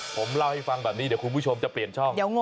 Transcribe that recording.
ผมเล่าให้ฟังแบบนี้เดี๋ยวคุณผู้ชมจะเปลี่ยนช่อง